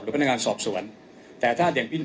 หรือพนักงานสอบสวนแต่ถ้า